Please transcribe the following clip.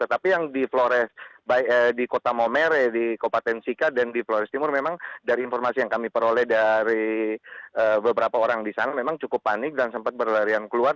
tapi yang di flores di kota maumere di kabupaten sika dan di flores timur memang dari informasi yang kami peroleh dari beberapa orang di sana memang cukup panik dan sempat berlarian keluar